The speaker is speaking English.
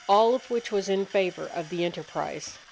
all of which was in favour of the enterprise.